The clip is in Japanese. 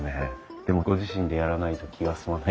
でもご自身でやらないと気が済まない。